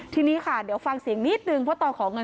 ทีนี้ค่ะเดี๋ยวฟังเสียงนิดนึงเพราะตอนขอเงิน